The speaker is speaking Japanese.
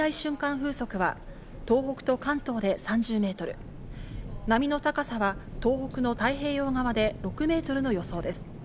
風速は東北と関東で３０メートル、波の高さは東北の太平洋側で６メートルの予想です。